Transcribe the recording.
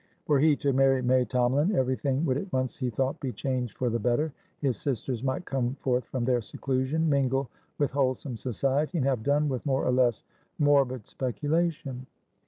Were he to marry May Tomalin, everything would at once, he thought, be changed for the better; his sisters might come forth from their seclusion, mingle with wholesome society, and have done with more or less morbid speculation.